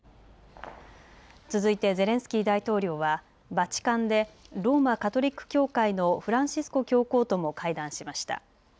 続いてゼレンスキー大統領はバチカンでローマ・カトリック教会のフランシスコ教皇とも会談しました。